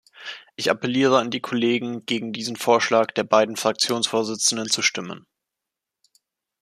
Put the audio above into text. Ich appelliere an die Kollegen, gegen diesen Vorschlag der beiden Fraktionsvorsitzenden zu stimmen.